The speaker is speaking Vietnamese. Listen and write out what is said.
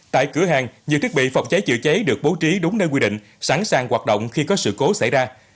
tại cửa hàng nhiều thiết bị phòng cháy chữa cháy được bố trí đúng nơi quy định sẵn sàng hoạt động khi có sự cố xảy ra